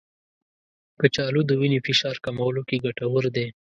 کچالو د وینې فشار کمولو کې ګټور دی.